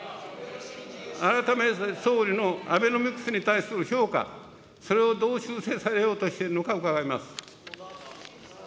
改めて総理のアベノミクスに対する評価、それをどう修正されようとしているのか伺います。